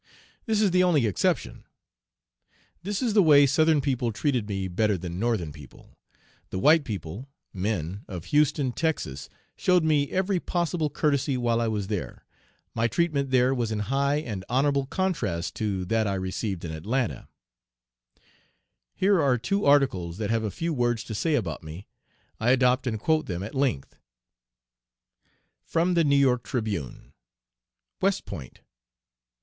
This is the only exception. This is the way Southern people treated me better than Northern people. The white people (men) of Houston, Texas, showed me every possible courtesy while I was there. My treatment there was in high and honorable contrast to that I received in Atlanta. Here are two articles that have a few words to say about me. I adopt and quote them at length: (From the New York Tribune.) WEST POINT.